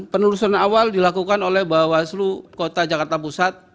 penelusuran awal dilakukan oleh bawaslu kota jakarta pusat